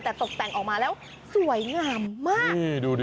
แต่ตกแต่งออกมาแล้วสวยงามมาก